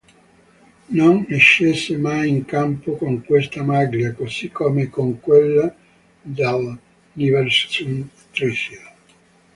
Non scese mai in campo con questa maglia, così come con quella del Nybergsund-Trysil.